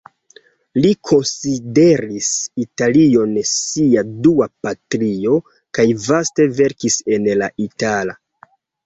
Li konsideris Italion sia dua patrio kaj vaste verkis en la itala.